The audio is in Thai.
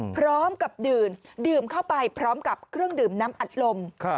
พร้อมกับดื่มดื่มเข้าไปพร้อมกับเครื่องดื่มน้ำอัดลม